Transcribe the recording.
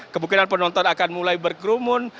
kemungkinan penonton akan mulai berkerumun